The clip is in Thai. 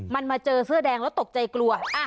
มันมาเจอเสื้อแดงแล้วตกใจกลัว